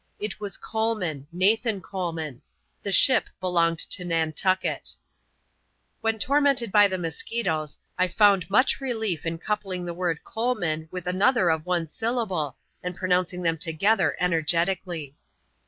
It was Coleman — Nathan Coleman. The ship belonged to Nantucket When tormented by the musquitoes, I found much relief in coupling the word " Coleman" with another of one syllable, and pronouncing them together energetically.